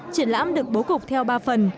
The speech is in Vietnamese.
triển lãm được bố cục theo ba phần